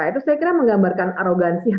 itu saya kira menggambarkan arogansi